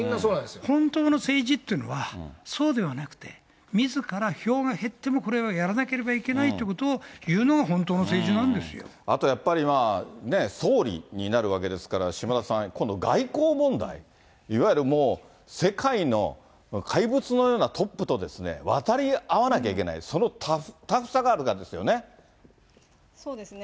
本当の政治っていうのは、そうではなくて、みずから票が減っても、これはやらなければいけないってことを言うのが本当の政治なんであとやっぱり、まあ、ねぇ、総理になるわけですから、島田さん、今度、外交問題、いわゆるもう世界の怪物のようなトップと渡り合わなきゃいけない、そうですね。